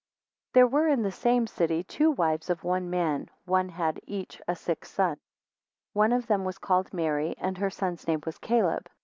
THERE were in the same city two wives of one man, who had each a son sick. One of them was called Mary, and her son's name was Caleb.